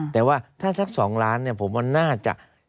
แต่ว่าถ้าสัก๒ล้านเนี่ยผมว่าน่าจะ